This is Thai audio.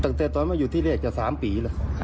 ตั้งแต่ตอนมาอยู่ที่เรียกจะ๓ปี